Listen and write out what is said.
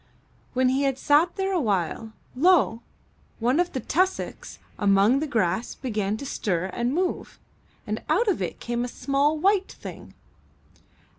When he had sat there a while, lo! one of the tus socks among the grass began to stir and move, and out of it came a small white thing.